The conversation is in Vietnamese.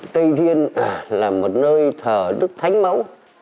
tây thiên là một nơi thờ đức thánh mẫu